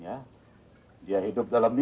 ya dia hidup dalam di